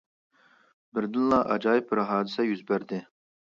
بىردىنلا ئاجايىپ بىر ھادىسە يۈز بەردى.